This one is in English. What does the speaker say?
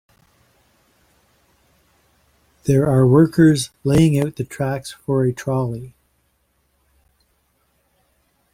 There are workers laying out the tracks for a trolley.